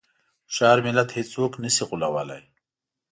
هوښیار ملت هېڅوک نه شي غولوی.